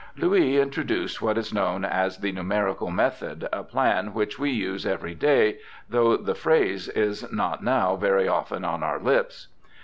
Louis introduced what is known as the Numerical Method, a plan which we use every day, though the phrase is not now very often on our lips.